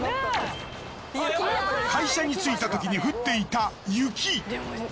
会社に着いたときに降っていた雪。